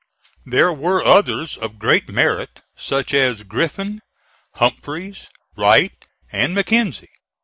There were others of great merit, such as Griffin, Humphreys, Wright and Mackenzie.